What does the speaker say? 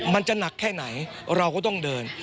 มันจะหนักแค่ไหนเราก็ต้องเดิน